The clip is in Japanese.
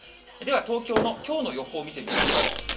では東京のきょうの予報を見てみましょう。